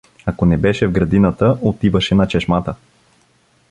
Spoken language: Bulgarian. Ако не беше в градината, отиваше на чешмата.